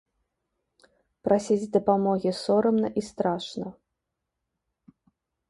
Прасіць дапамогі сорамна і страшна.